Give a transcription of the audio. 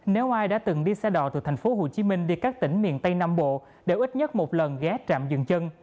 nếu ai đã từng đi xe đỏ từ thành phố hồ chí minh đi các tỉnh miền tây nam bộ đều ít nhất một lần ghé trạm dường chân